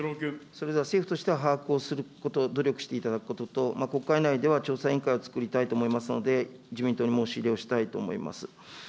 それでは政府としては、把握をすること、努力をしていただくことと、国会内では調査委員会を作りたいと思いますので、自民党に申し入れをしたいと思います。